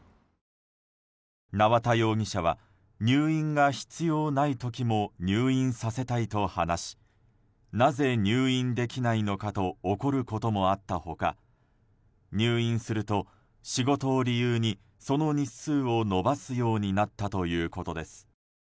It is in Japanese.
縄田容疑者は入院が必要ない時も入院させたいと話しなぜ入院できないのかと怒ることもあった他入院すると仕事を理由にその日数を延ばすようになったということです。